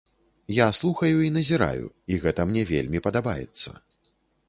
Я слухаю і назіраю, і гэта мне вельмі падабаецца.